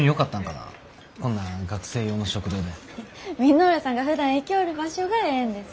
稔さんがふだん行きょおる場所がええんです。